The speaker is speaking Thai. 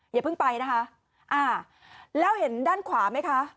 อย่าเพิ่งไปนะคะอ่าแล้วเห็นด้านขวาไหมคะ